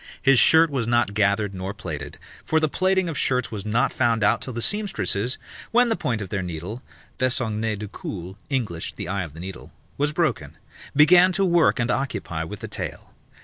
His shirt was not gathered nor plaited, for the plaiting of shirts was not found out till the seamstresses (when the point of their needle (Besongner du cul, Englished The eye of the needle.) was broken) began to work and occupy with the tail.